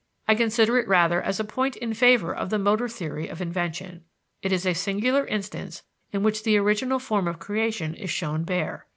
I consider it rather as a point in favor of the motor theory of invention. It is a singular instance in which the original form of creation is shown bare.